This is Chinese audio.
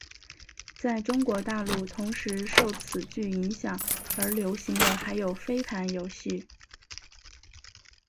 在中国大陆同时受此剧影响而流行的还有飞盘游戏。